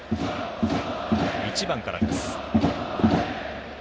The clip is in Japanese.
１番からです。